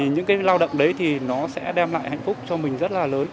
những cái lao động đấy thì nó sẽ đem lại hạnh phúc cho mình rất là lớn